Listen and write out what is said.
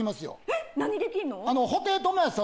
えっ何できんの？